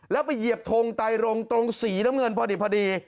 แล้วไปเหยียบทงไตรงตรงสีน้ำเงินพอดี